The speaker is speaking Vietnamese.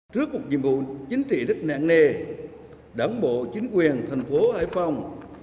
trước một nhiệm vụ chính trị rất nặng nề đảng bộ chính quyền thành phố hải phòng